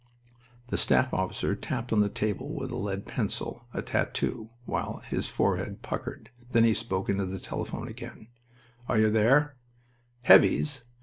The staff officer tapped on the table with a lead pencil a tattoo, while his forehead puckered. Then he spoke into the telephone again. "Are you there, 'Heavies'?...